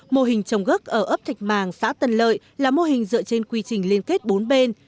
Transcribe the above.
mô hình trồng gốc ở ấp thạch màng xã tân lợi là mô hình dựa trên quy trình liên kết bốn bên